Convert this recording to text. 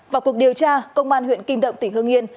vào cuộc điều tra công an huyện kim động tỉnh hương yên